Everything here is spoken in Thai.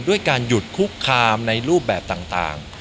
ด้วยการหยุดคุกคามในรูปแบบต่าง